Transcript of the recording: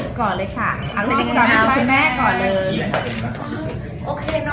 อี้ก็คือหน้าน้อยดีค่ะ